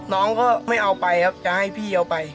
น้องก็ไม่เอาไปครับจะให้พี่เอาไป